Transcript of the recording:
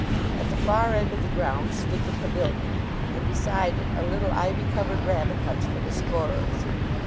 At the far end of the ground stood the pavilion, and beside it a little ivy covered rabbit hutch for the scorers.